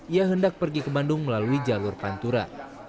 ia hendak pergi ke bandung melalui jalur pantura